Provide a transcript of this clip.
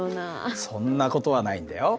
そんな事はないんだよ。